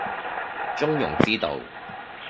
中庸之道